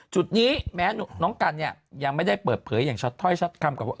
จุดนี้แม้น้องกันเนี่ยยังไม่ได้เปิดเผยอย่างชัดถ้อยชัดคำกับว่า